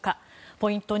ポイント２